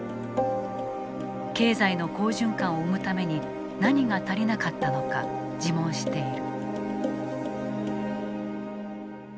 経済の好循環を生むために何が足りなかったのか自問している。